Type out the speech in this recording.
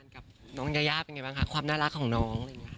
กับน้องยาย่าเป็นไงบ้างคะความน่ารักของน้อง